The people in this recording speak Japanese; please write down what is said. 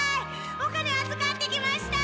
お金あずかってきました！